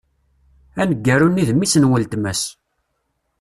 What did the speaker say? Aneggaru-nni d mmi-s n wletma-s.